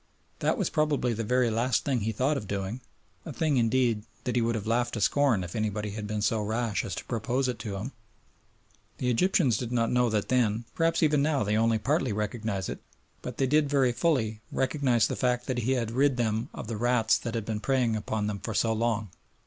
That was probably the very last thing he thought of doing a thing, indeed, that he would have laughed to scorn if anybody had been so rash as to propose it to him. The Egyptians did not know that then, perhaps even now they only partly recognise it, but they did very fully recognise the fact that he had rid them of the rats that had been preying upon them for so long.